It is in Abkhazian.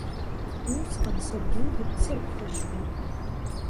Усҟан сабдугьы дсырԥхашьуеит.